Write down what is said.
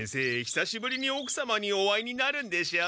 久しぶりにおくさまにお会いになるんでしょ？